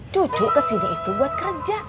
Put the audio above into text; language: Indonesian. cucu kesini itu buat kerja